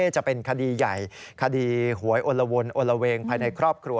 จะเป็นคดีใหญ่คดีหวยอลวนโอละเวงภายในครอบครัว